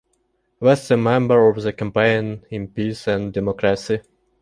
West is a member of the Campaign for Peace and Democracy.